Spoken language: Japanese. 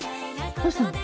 どうしたの？